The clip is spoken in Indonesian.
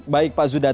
baik pak zudan